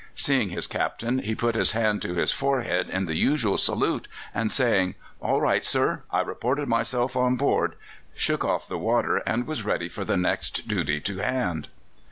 Seeing his Captain, he put his hand to his forehead in the usual salute, and saying, "All right, sir; I report myself on board," shook off the water and was ready for the next duty to hand.